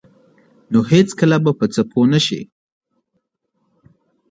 نو هیڅکله به په څه پوه نشئ.